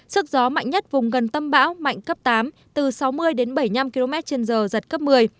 sức gió mạnh nhất vùng gần tâm áp thấp nhiệt đới mạnh cấp tám từ sáu mươi đến bảy mươi năm km trên giờ giật cấp một mươi